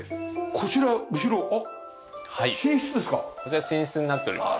こちら寝室になっておりますね。